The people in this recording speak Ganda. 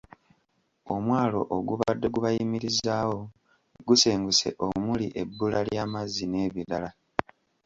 Omwalo ogubadde gubayimirizaawo gusenguse omuli ebbula ly’amazzi n’ebirala.